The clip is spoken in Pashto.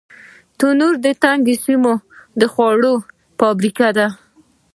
تنور د تنګې سیمې د خوړو فابریکه ده